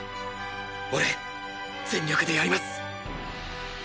俺全力でやります